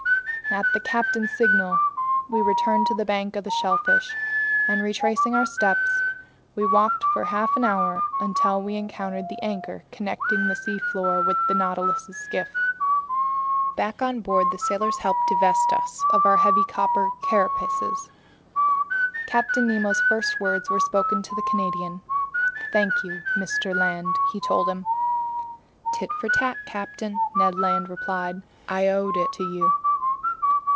At the captain's signal we returned to the bank of shellfish, and retracing our steps, we walked for half an hour until we encountered the anchor connecting the seafloor with the Nautilus's skiff. Back on board, the sailors helped divest us of our heavy copper carapaces. Captain Nemo's first words were spoken to the Canadian. "Thank you, Mr. Land," he told him. "Tit for tat, captain," Ned Land replied. "I owed it to you."